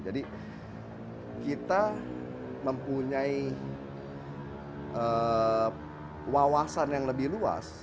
jadi kita mempunyai wawasan yang lebih luas